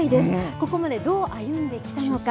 ここまで、どう歩んできたのか。